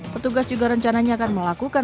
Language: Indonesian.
petugas juga rencananya akan melakukan